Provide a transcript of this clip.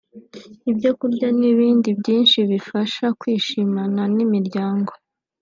ibyo kurya n’ibindi byinshi bibafasha kushimana n’imiryango